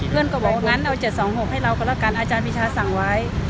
เพื่อนก็บอกนั้นเอา๗๒๖ให้เราก็แล้วกันอาจารย์พิชาสั่งไว้